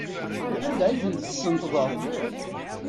Anda ay ten-tesneṭḍeḍ?